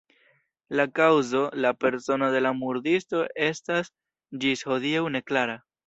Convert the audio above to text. La kaŭzo, la persono de la murdisto estas ĝis hodiaŭ neklara.